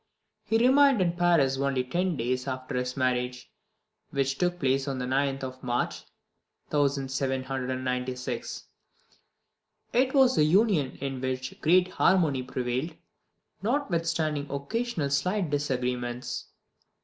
He remained in Paris only ten days after his marriage, which took place on the 9th of March 1796. It was a union in which great harmony prevailed, notwithstanding occasional slight disagreements.